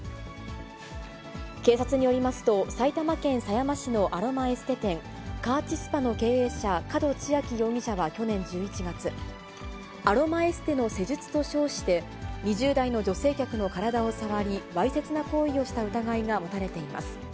警察によりますと、埼玉県狭山市のアロマエステ店、カーチ・スパの経営者、門智昭容疑者は去年１１月、アロマエステの施術と称して、２０代の女性客の体を触り、わいせつな行為をした疑いが持たれています。